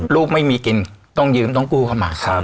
ลูกไม่มีกินต้องยืมต้องกู้เข้ามา